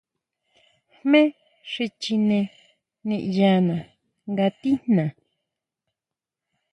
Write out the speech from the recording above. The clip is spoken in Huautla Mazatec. Jmé xi chineé niʼyaná nga tijnaá.